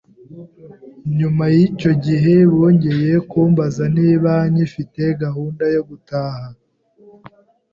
Nyuma y’icyo gihe bongeye kumbaza niba nkifite gahunda yo gutaha